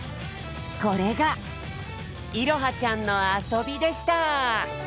これがいろはちゃんのあそびでした。